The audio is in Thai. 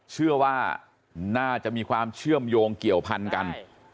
เชื่อว่าน่าจะมีความเชื่อมโยงเกี่ยวพันกัน